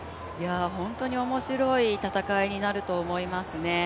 本当に面白い戦いになると思いますね。